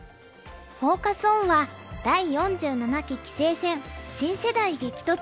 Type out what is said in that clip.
フォーカス・オンは「第４７期棋聖戦新世代激突！！」。